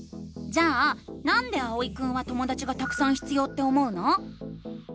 じゃあ「なんで」あおいくんはともだちがたくさん必要って思うの？